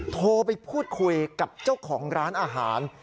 โทรไปพูดคุยกับเจ้าของร้านอาหาร